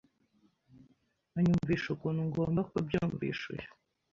anyumvisha ukuntu ngomba kubyumvisha uyu